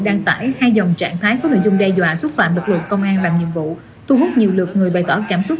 đăng tải hai dòng trạng thái có nội dung đe dọa xúc phạm lực lượng công an làm nhiệm vụ